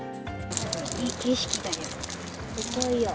いい景色だよ。